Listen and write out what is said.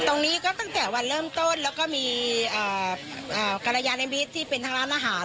ตรงนี้ก็ตั้งแต่วันเริ่มต้นแล้วก็มีกรยานิมิตรที่เป็นทางร้านอาหาร